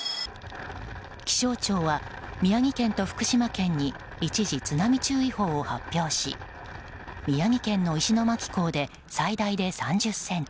気象庁は宮城県と福島県に一時、津波注意報を発表し宮城県の石巻港で最大で３０ｃｍ